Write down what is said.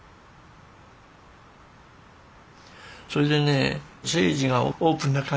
それでね征爾がオープンな感じ。